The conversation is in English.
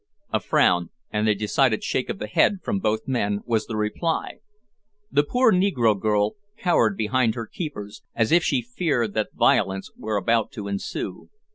A frown, and a decided shake of the head from both men, was the reply. The poor negro girl cowered behind her keepers, as if she feared that violence were about to ensue.